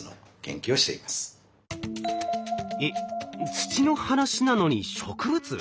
土の話なのに植物？